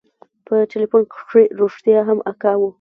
په ټېلفون کښې رښتيا هم اکا و.